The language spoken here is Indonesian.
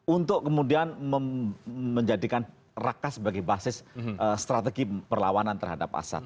untuk kemudian menjadikan raka sebagai basis strategi perlawanan terhadap hasan